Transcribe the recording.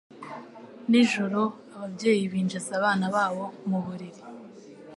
Nijoro ababyeyi binjiza abana babo mu buriri